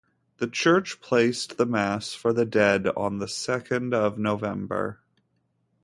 The church placed the mass for the dead on the second of November.